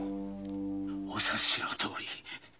お察しのとおり。